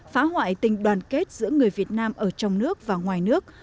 phá hoại tình đoàn kết giữa người việt nam ở trong nước và ngoài nước